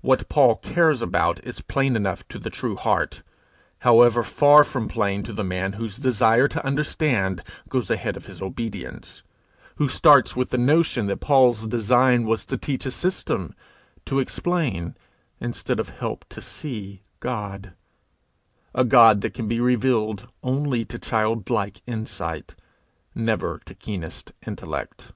What Paul cares about is plain enough to the true heart, however far from plain to the man whose desire to understand goes ahead of his obedience, who starts with the notion that Paul's design was to teach a system, to explain instead of help to see God, a God that can be revealed only to childlike insight, never to keenest intellect.